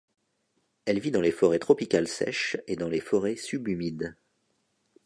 Elle vit dans les forêts tropicales sèches et dans les forêts subhumides.